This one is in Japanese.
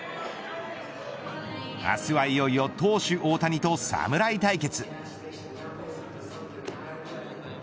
明日はいよいよ投手大谷と侍対決。